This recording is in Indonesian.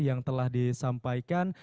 yang telah disampaikan